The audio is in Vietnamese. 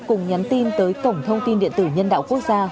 cùng nhắn tin tới cổng thông tin điện tử nhân đạo quốc gia